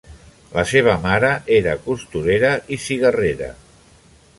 La seva mare era costurera i cigarrera.